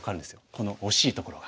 このおしいところが。